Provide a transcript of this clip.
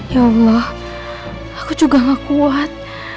ya allah aku juga gak kuat